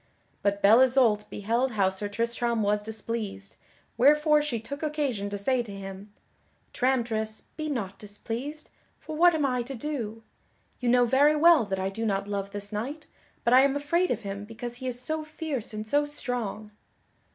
But Belle Isoult beheld how Sir Tristram was displeased, wherefore she took occasion to say to him: "Tramtris, be not displeased, for what am I to do? You know very well that I do not love this knight, but I am afraid of him because he is so fierce and so strong."